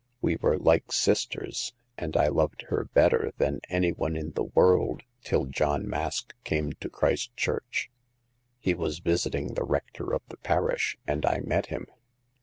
We were like sisters, and I loved her better than any one in the world till John Mask came to Christchurch. He was visit ing the rector of the parish, and I met him.